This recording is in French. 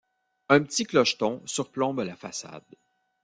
Un petit clocheton surplombe la façade.